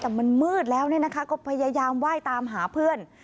แต่มันมืดแล้วเนี่ยนะคะก็พยายามไหว้ตามหาเพื่อน